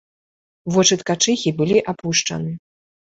Вочы ткачыхі былі апушчаны.